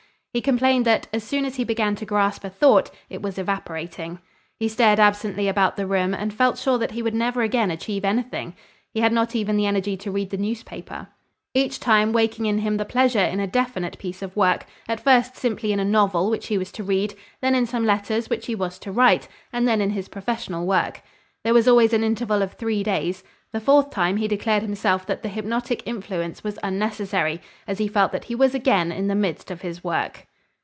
He complained that, as soon as he began to grasp a thought, it was evaporating. He stared absently about the room and felt sure that he would never again achieve anything. He had not even the energy to read the newspaper. I hypnotized him three times, each time waking in him the pleasure in a definite piece of work, at first simply in a novel which he was to read, then in some letters which he was to write, and then in his professional work. There was always an interval of three days. The fourth time he declared himself that the hypnotic influence was unnecessary, as he felt that he was again in the midst of his work.